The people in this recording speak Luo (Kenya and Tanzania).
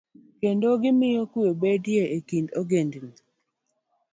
Kendo, gimiyo kwe betie e kind ogendini.